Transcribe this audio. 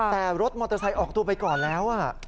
แต่รถมอเตอร์ไซค์ออกตัวไปก่อนแล้ว